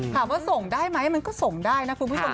ส่งได้ไหมมันก็ส่งได้นะคุณผู้ชม